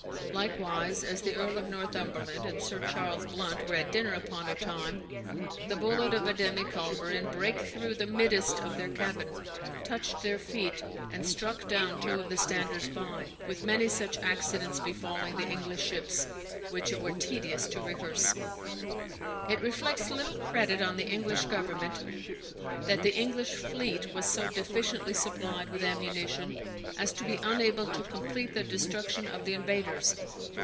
Likewise, as the Earle of Northumberland and Sir Charles Blunt were at dinner upon a time, the bullet of a demy culverin brake thorow the middest of their cabben, touched their feet, and strooke downe two of the standers by, with many such accidents befalling the English shippes, which it were tedious to rehearse." It reflects little credit on the English Government that the English fleet was so deficiently supplied with ammunition, as to be unable to complete the destruction of the invaders.